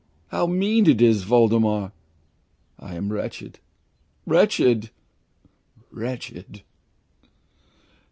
How mean it all is, Voldemar. I am wretched, wretched, wretched!